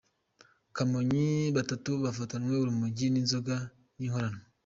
Kamonyi Batatu bafatanwe urumogi n’inzoga y’inkorano